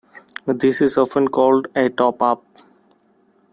This is often called a "top up".